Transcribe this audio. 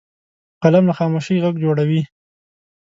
قلم له خاموشۍ غږ جوړوي